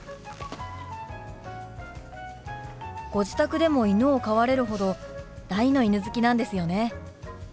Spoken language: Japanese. ご自宅でも犬を飼われるほど大の犬好きなんですよね。